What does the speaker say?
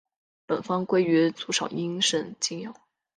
本方归于足少阴肾经药。